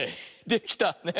できたね。